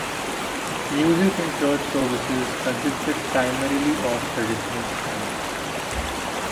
Music in church services consisted primarily of traditional hymns.